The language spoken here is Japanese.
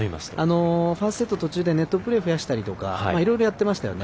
ファーストセット途中でネットプレーふやしたりとかいろいろやってましたよね。